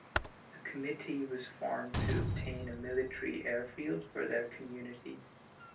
A committee was formed to obtain a military airfield for their community.